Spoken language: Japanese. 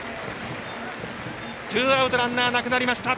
ツーアウトランナーなくなりました。